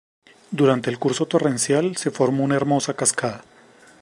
Durante el curso torrencial, se forma una hermosa cascada.